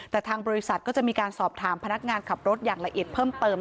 แต่ทางบริษัทก็จะมีการสอบถามพนักงานขับรถอย่างละเอียดเพิ่มเติม